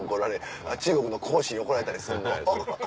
中国の孔子に怒られたりすんの？